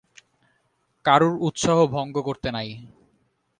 কারুর উৎসাহ ভঙ্গ করতে নাই।